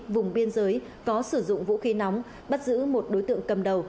vùng biên giới có sử dụng vũ khí nóng bắt giữ một đối tượng cầm đầu